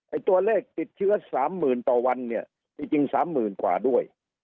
ไอ้ตัวเลขกิดเชื้อ๓๐๐๐๐ต่อวันจริง๓๐๐๐๐กว่าด้วย